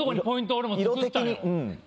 俺も作ったよ。